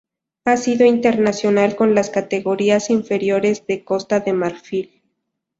Ha sido internacional con las categorías inferiores de Costa de Marfil.